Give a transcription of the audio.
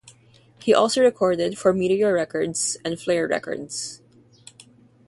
He also recorded for Meteor Records and Flair Records.